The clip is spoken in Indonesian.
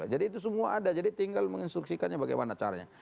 jadi itu semua ada jadi tinggal menginstruksikannya bagaimana caranya